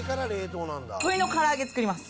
鶏のから揚げ作ります。